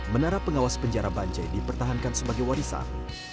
menara pengawas penjara banjai dipertahankan sebagai warisan